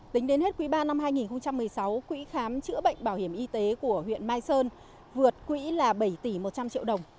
tính đến hết quý ba năm hai nghìn một mươi sáu quỹ khám chữa bệnh bảo hiểm y tế của huyện mai sơn vượt quỹ là bảy tỷ một trăm linh triệu đồng